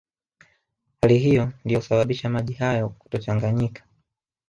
Hali hiyo ndiyo husababisha maji hayo kutochanganyika